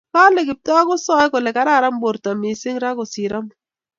kale Kiptoo kasei kole kararan borto mising ra kosir amut